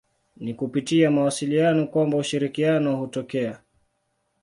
Ni kupitia mawasiliano kwamba ushirikiano hutokea.